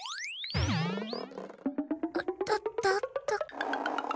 おっとっとっと。